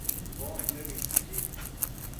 oc nëbictsëqui